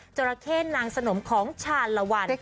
จรเข้นนางสนมของชาลวรรดิ